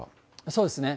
そうですね。